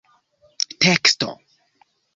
teksto